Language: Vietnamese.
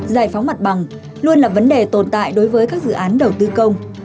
giải phóng mặt bằng luôn là vấn đề tồn tại đối với các dự án đầu tư công